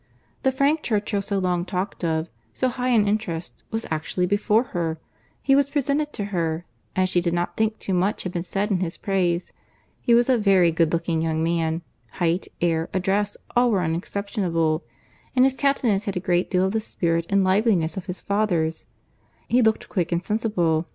The Frank Churchill so long talked of, so high in interest, was actually before her—he was presented to her, and she did not think too much had been said in his praise; he was a very good looking young man; height, air, address, all were unexceptionable, and his countenance had a great deal of the spirit and liveliness of his father's; he looked quick and sensible.